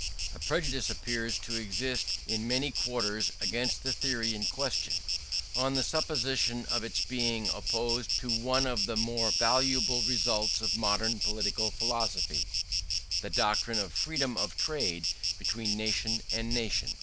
A prejudice appears to exist in many quarters against the theory in question, on the supposition of its being opposed to one of the most valuable results of modern political philosophy, the doctrine of Freedom of Trade between nation and nation.